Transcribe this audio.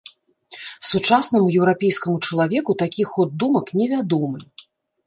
Сучаснаму еўрапейскаму чалавеку такі ход думак невядомы.